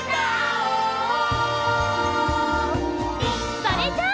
それじゃあ。